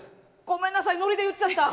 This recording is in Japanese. ごめんなさいノリで言っちゃった。